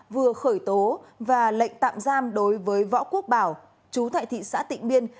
vừa khởi tố và lệnh tạm giam đối với võ quốc bảo chú tại thị xã tịnh biên